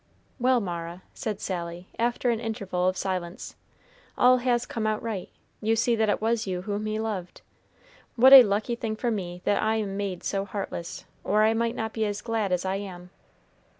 "Well, Mara," said Sally, after an interval of silence, "all has come out right. You see that it was you whom he loved. What a lucky thing for me that I am made so heartless, or I might not be as glad as I am."